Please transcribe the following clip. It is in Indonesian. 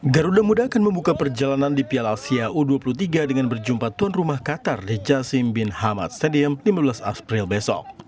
garuda muda akan membuka perjalanan di piala asia u dua puluh tiga dengan berjumpa tuan rumah qatar the jasim bin hamad stadium lima belas april besok